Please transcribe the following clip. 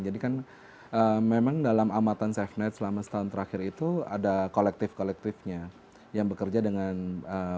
jadi kan memang dalam amatan safenet selama setahun terakhir itu ada kolektif kolektifnya yang bekerja dengan cukup rapi sebetulnya